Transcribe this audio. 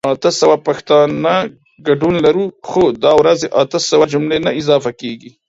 اته سوه پښتانه ګډون لرو خو دا ورځې اته سوه جملي نه اضافه کيږي